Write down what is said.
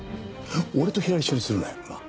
俺と平井を一緒にするなよ。